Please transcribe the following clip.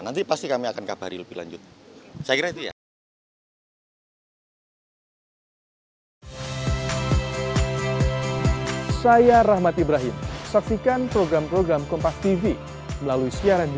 nanti pasti kami akan kabari lebih lanjut saya kira itu ya